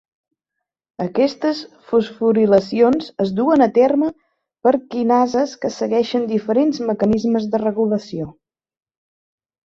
Aquestes fosforilacions es duen a terme per quinases que segueixen diferents mecanismes de regulació.